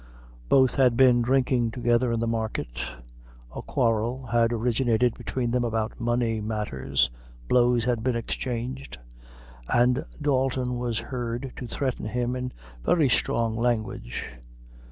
Both had been drinking together in the market, a quarrel had originated between them about money matters, blows had been exchanged, and Dalton was heard to threaten him in very strong language.